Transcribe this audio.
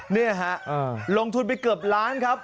เนี่ยฮะลงทุนไปเกือบล้านครับ